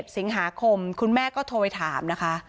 สิงหาคมคุณแม่ก็โทรไปถามนะคะ